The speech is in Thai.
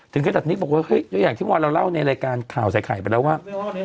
ถึงข้างจากนี้บอกว่าเฮ้ยอย่างที่วันเราเล่าในรายการข่าวใส่ไข่ไปแล้วว่า